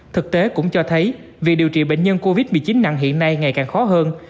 thực tế cũng cho thấy việc điều trị bệnh nhân covid một mươi chín nặng hiện nay ngày càng khó hơn